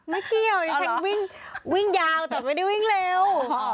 เมื่อกี้อันนี้ฉันวิ่งยาวแต่ไม่ได้วิ่งเร็ว